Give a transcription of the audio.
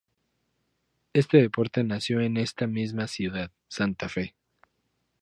Este deporte nació en esta misma ciudad, Santa Fe.